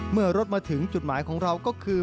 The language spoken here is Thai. เมื่อรถมาถึงจุดหมายของเราก็คือ